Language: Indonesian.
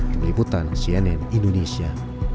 meliputan cnn indonesia